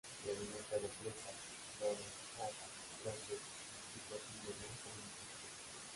Se alimenta de frutas, flores, hojas, brotes y posiblemente insectos.